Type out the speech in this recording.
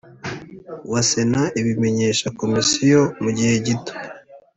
wa sena abimenyesha komisiyo mu gihe gito